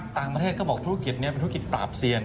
ต่างประเทศก็บอกธุรกิจนี้เป็นธุรกิจปราบเซียน